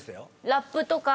「ラップ」とか。